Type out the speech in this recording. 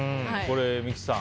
三木さん